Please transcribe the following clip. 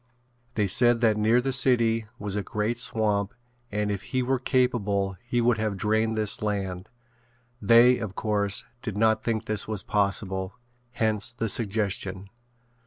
They said that near the city was a great swamp and if he were capable he would have drained this land. They, of course, did not think this was possible, hence the suggestion.